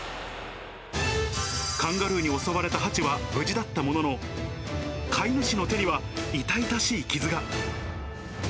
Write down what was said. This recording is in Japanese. カンガルーに襲われたハチは無事だったものの、飼い主の手には痛々しい傷が。